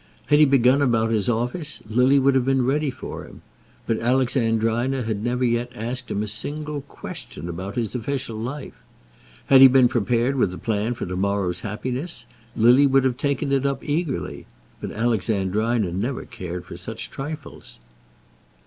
Had he begun about his office Lily would have been ready for him, but Alexandrina had never yet asked him a single question about his official life. Had he been prepared with a plan for to morrow's happiness Lily would have taken it up eagerly, but Alexandrina never cared for such trifles.